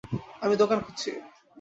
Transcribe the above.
আমি দোকান খুজছি।